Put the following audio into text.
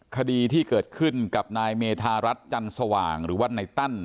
คดีที่เกิดขึ้นกับนายเมธารัฐจันสว่างหรือว่าในตั้น